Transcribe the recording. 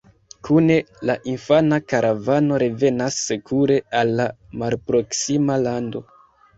Kune la infana karavano revenas sekure al la malproksima lando.